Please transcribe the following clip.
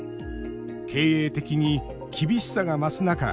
経営的に厳しさが増す中